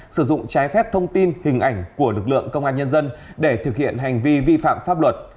sử dụng trái phép thông tin hình ảnh của lực lượng công an nhân dân để thực hiện hành vi vi phạm pháp luật